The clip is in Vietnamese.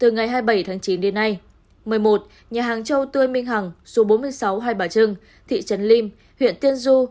một mươi một nhà hàng châu tươi minh hằng số bốn mươi sáu hai bà trưng thị trấn lim huyện tiên du